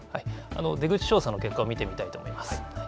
出口調査の結果を見てみたいと思います。